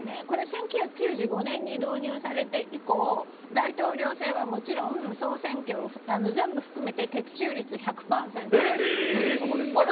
これ１９９５年に導入されて以降大統領選はもちろん総選挙全部含めて的中率１００％なんです。